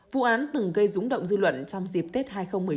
vụ án từng gây rúng động dư luận trong dịp tết hai nghìn một mươi chín